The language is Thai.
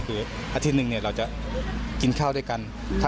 คืออาทิตย์หนึ่งเราจะกินข้าวด้วยกัน